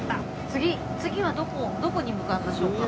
次はどこどこに向かいましょうか？